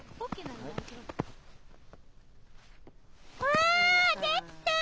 わあできた！